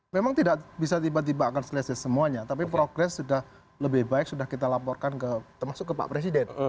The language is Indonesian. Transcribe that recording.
memang tidak bisa tiba tiba akan selesai semuanya tapi progres sudah lebih baik sudah kita laporkan termasuk ke pak presiden